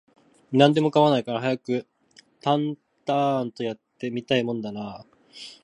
何でも構わないから、早くタンタアーンと、やって見たいもんだなあ